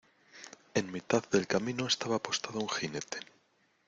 en mitad del camino estaba apostado un jinete: